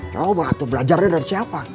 coba tuh belajarnya dari siapa